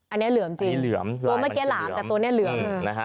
อันนี้เหลือมจริงตัวเมื่อกี้หลามแต่ตัวนี้เหลือม